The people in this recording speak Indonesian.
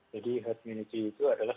jadi herd immunity itu adalah